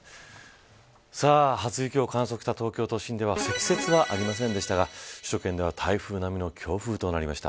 初雪を観測した東京都心では積雪はありませんでしたが首都圏では台風並みの強風となりました。